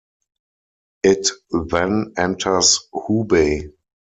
It then enters Hubei.